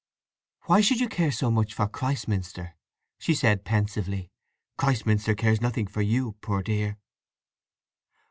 "Why should you care so much for Christminster?" she said pensively. "Christminster cares nothing for you, poor dear!"